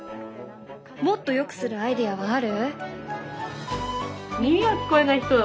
もっとよくするアイデアはある？